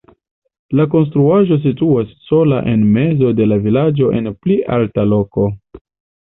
La konstruaĵo situas sola en mezo de la vilaĝo en pli alta loko.